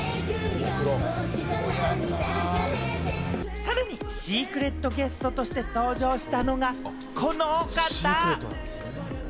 さらに、シークレットゲストとして登場したのが、このお方！